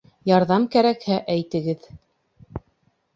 Ярҙам кәрәкһә, әйтегеҙ.